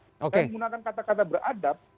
dengan menggunakan kata kata beradab